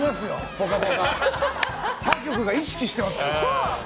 他局が意識してますから。